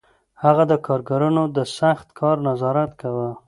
هغه د کارګرانو د سخت کار نظارت کاوه